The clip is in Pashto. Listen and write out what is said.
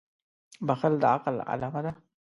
• بښل د عقل علامه ده.